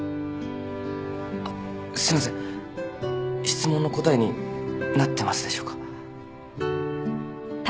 あっすいません質問の答えになってますでしょうか。